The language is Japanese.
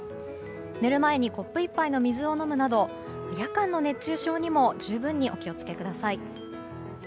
寝る前にコップ１杯の水を飲むなど夜間の熱中症にも十分にお気をつけください。